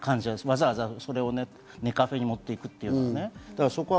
わざわざネカフェに持っていくというね。